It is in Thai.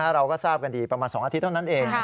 เราก็ทราบกันดีประมาณ๒อาทิตย์เท่านั้นเอง